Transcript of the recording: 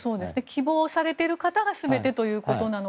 希望されている方が全てということなのか。